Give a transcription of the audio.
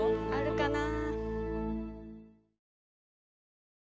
あるかな？